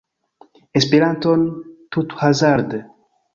Esperanton tuthazarde